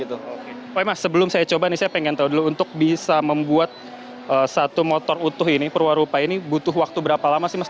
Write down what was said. tapi mas sebelum saya coba nih saya pengen tahu dulu untuk bisa membuat satu motor utuh ini perwarupa ini butuh waktu berapa lama sih mas